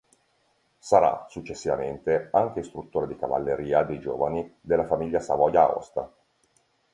Sarà, successivamente, anche istruttore di cavalleria dei giovani della famiglia Savoia-Aosta.